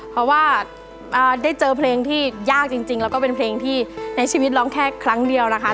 เพราะว่าได้เจอเพลงที่ยากจริงแล้วก็เป็นเพลงที่ในชีวิตร้องแค่ครั้งเดียวนะคะ